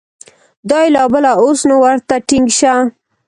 دا یې لا بله ، اوس نو ورته ټینګ شه !